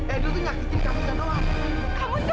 edo tuh nyakitin kamu gak tau apa